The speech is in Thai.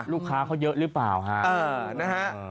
ลูกค้าเขาเยอะหรือเปล่าฮะนะฮะ